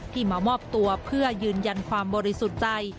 มามอบตัวเพื่อยืนยันความบริสุทธิ์ใจ